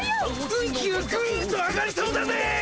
運気がぐんと上がりそうだぜ。